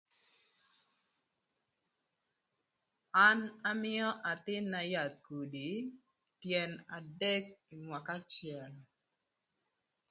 An amïö athïn-na yath kudi tyën adek ï mwaka acël